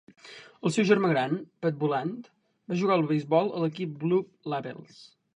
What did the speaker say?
El seu germà gran, Pat Boland, va jugar al beisbol a l'equip Blue Labels.